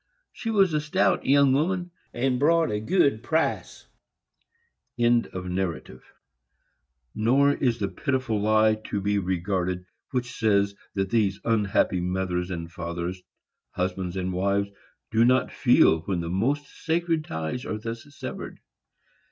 She was a stout young woman, and brought a good price." Nor is the pitiful lie to be regarded which says that these unhappy mothers and fathers, husbands and wives, do not feel when the most sacred ties are thus severed.